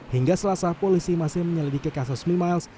hingga selasa polisi masih menyelidiki kasus mimiles